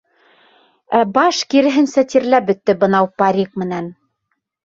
Ә баш, киреһенсә, тирләп бөттө бынау парик менән.